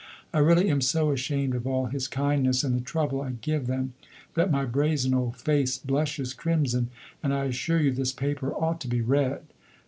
I really am so ashamed of all his kindness, and the trouble I give them, that my brazen old face blushes crimson, and I assure you this paper ought to be red.